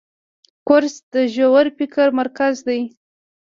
کورس د ژور فکر مرکز دی.